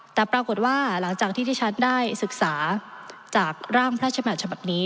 แต่ปรากฏว่าหลังจากที่ที่ฉันได้ศึกษาจากร่างพระชมัติฉบับนี้